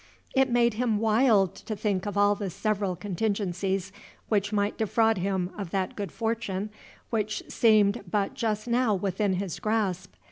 It made him wild to think of all the several contingencies which might defraud him of that good fortune which seemed but just now within his grasp.